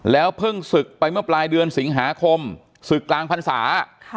เพิ่งศึกไปเมื่อปลายเดือนสิงหาคมศึกกลางพรรษา